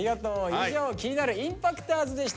以上「気になるＩＭＰＡＣＴｏｒｓ」でした！